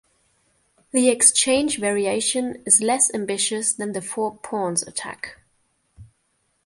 The Exchange Variation is less ambitious than the Four Pawns Attack.